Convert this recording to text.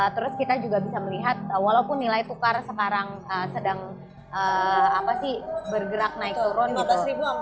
terus kita juga bisa melihat walaupun nilai tukar sekarang sedang bergerak naik turun gitu